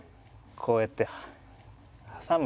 こうやって挟む。